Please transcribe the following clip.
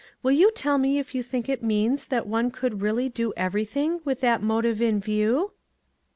Will you tell me if you think it means that one could really do everything with that motive in view?"